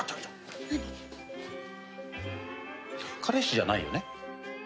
彼氏じゃないよね？